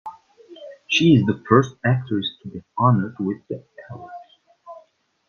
She is the first actress to be honored with the award.